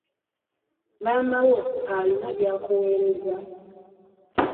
Maama wo alina byakuwerezza.